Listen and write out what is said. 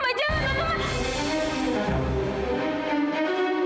ma jangan ma